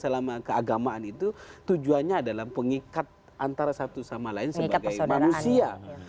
selama keagamaan itu tujuannya adalah pengikat antara satu sama lain sebagai manusia